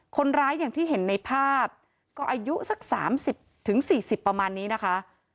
คนร้ายอย่างที่เห็นในภาพก็อายุสักสามสิบถึงสี่สิบประมาณนี้นะคะ